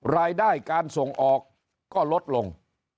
รายได้การส่งออกก็ลดลง